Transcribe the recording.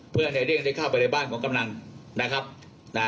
เพื่อให้ในเด้งได้เข้าไปในบ้านของกำนัง